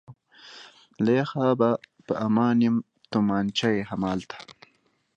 له یخه به په امان یم، تومانچه یې همالته.